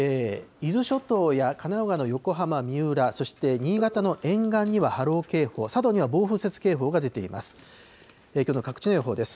伊豆諸島や神奈川の横浜、三浦、そして新潟の沿岸には波浪警報、佐渡には暴風雪警報が出ています。